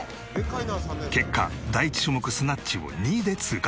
結果第１種目スナッチを２位で通過。